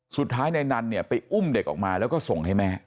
สุดท้ายนายนันเนี่ยไปอุ้มเด็กออกมาแล้วก็ส่งให้แม่